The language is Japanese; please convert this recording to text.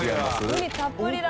ウニたっぷりだ！